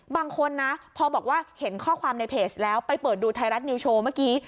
บางคนนะพอบอกว่าเห็นข้อความในเพจแล้วไปเปิดดูไทยรัฐนิวโชว์เมื่อกี้